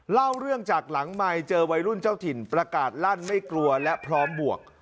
เล่าเรื่องจากหลังไมค์เจอวัยรุ่นเจ้าถิ่นประกาศลั่นไม่กลัวและพร้อมบวก